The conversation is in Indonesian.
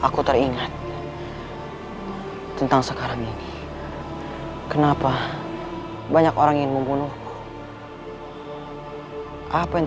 sudah kak kaset jangan berpikir keras nanti tambah sakit